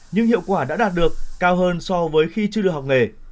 nhưng hiệu quả đã đạt được cao hơn so với khi chưa được học nghề